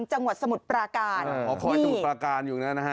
จังหวัดสมุดปราการอ๋อคอยสมุดปราการอยู่เนี่ยนะฮะ